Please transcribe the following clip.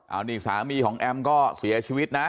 อันนี้สามีของแอมก็เสียชีวิตนะ